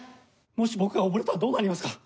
もし僕が溺れたらどうなりますか？